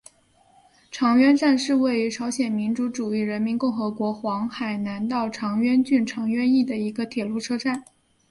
长渊站是位于朝鲜民主主义人民共和国黄海南道长渊郡长渊邑的一个铁路车站。